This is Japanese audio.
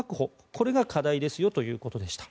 これが課題ですよということでした。